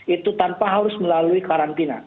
itu tanpa harus melalui karantina